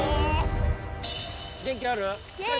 元気ある？